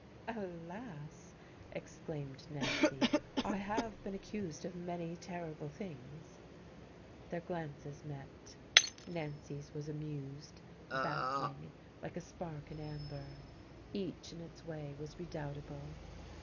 "Alas!" exclaimed Nancy, "I have been accused of many terrible things." Their glances met. Nancy's was amused, baffling, like a spark in amber. Each, in its way, was redoubtable.